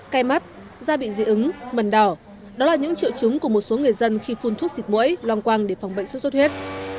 cái mắt da bị dị ứng mần đỏ đó là những triệu chứng của một số người dân khi phun thuốc xịt mũi loang quang để phòng bệnh sốt xuất huyết